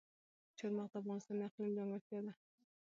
چار مغز د افغانستان د اقلیم ځانګړتیا ده.